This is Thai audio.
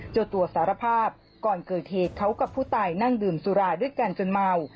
เจ้าตัวสารภาพก่อนเกิดเหตุเขากับผู้ตายนั่งดื่มสุราด้วยกันจนเมา